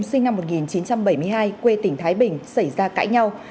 sinh năm một nghìn chín trăm bảy mươi hai quê tỉnh thái bình xảy ra cãi nhau